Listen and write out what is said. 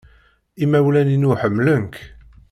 Imawlan-inu ḥemmlen-k.